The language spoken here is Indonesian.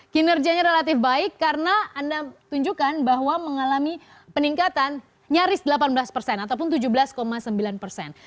kinerjanya relatif baik karena anda tunjukkan bahwa mengalami peningkatan nyaris delapan belas persen ataupun tujuh belas sembilan persen